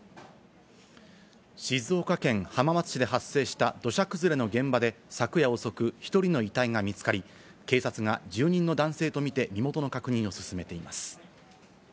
静岡県浜松市で発生した土砂崩れの現場で、昨夜遅く、１人の遺体が見つかり、警察が住人の男性とみて身元の確認を進めています。